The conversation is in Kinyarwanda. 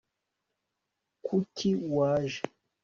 kuki waje